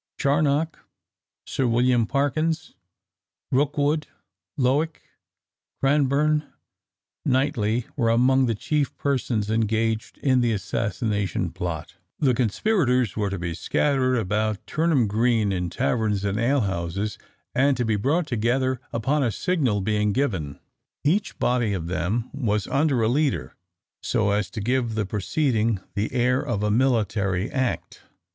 Charnock, Sir William Parkyns, Rookwood, Lowick, Cranburn, Knightley were among the chief persons engaged in the assassination plot. The conspirators were to be scattered about Turnham Green in taverns and ale houses, and to be brought together upon a signal being given. Each body of them was under a leader, so as to give the proceeding the air of a military act.